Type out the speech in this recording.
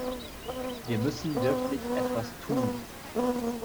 Wir müssen wirklich etwas tun.